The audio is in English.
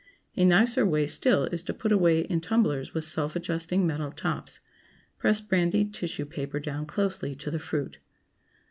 A nicer way still is to put away in tumblers with self adjusting metal tops. Press brandied tissue paper down closely to the fruit.